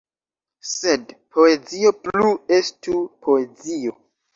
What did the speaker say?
Sed poezio plu estu poezio.